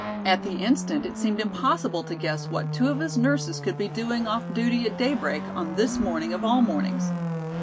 At the instant it seemed impossible to guess what two of his nurses could be doing off duty at daybreak on this morning of all mornings.